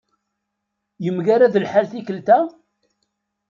Yemgarad lḥal tikelt-a?